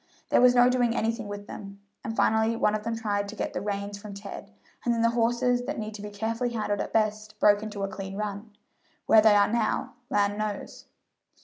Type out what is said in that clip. "There was no doing anything with them, and finally one of them tried to get the reins from Ted, and then the horses, that need to be carefully handled at best, broke into a clean run. Where they are now, land knows!"